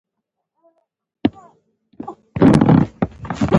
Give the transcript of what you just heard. افیکسونه پر وده ډوله دي.